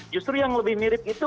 justru yang lebih mirip itu